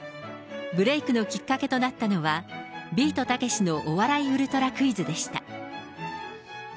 ブレークのきっかけとなったのは、ビートたけしのお笑いウルトラクイズでした。